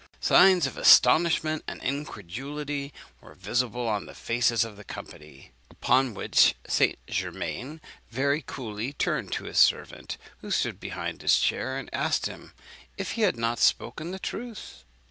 Signs of astonishment and incredulity were visible on the faces of the company; upon which St. Germain very coolly turned to his servant, who stood behind his chair, and asked him if he had not spoken truth?